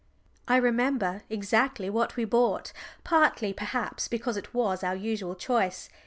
I remember exactly what we bought, partly, perhaps, because it was our usual choice.